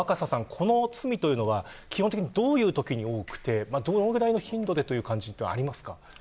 この罪というのは基本的にどういうときに多くてどのぐらいの頻度でという感じがありますか。